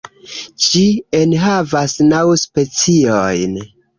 Ĝi enhavas naŭ speciojn.